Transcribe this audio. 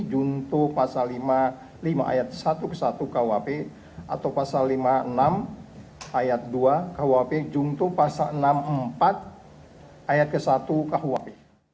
juntuh pasal lima ayat satu ke satu kuap atau pasal lima ayat enam ayat dua kuap juntuh pasal enam ayat empat ayat ke satu kuap